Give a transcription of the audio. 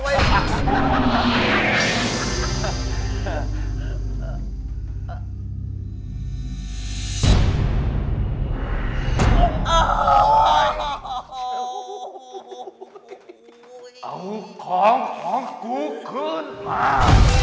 เอาของของกูขึ้นมา